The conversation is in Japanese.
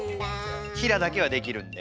平だけはできるんで。